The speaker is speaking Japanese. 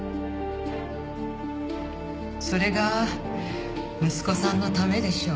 それが息子さんのためでしょう。